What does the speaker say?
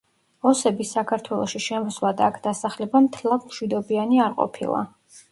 ოსების საქართველოში შემოსვლა და აქ დასახლება მთლად მშვიდობიანი არ ყოფილა.